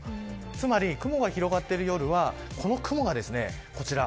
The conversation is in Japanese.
つまり、雲が広がっている夜はこの雲がこちら。